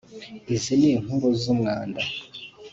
izi ni inkuru zumwanda